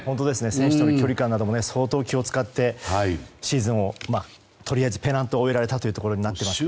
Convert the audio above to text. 選手との距離感なども相当気を使ってとりあえずペナントシリーズを終えられたということになっていますが。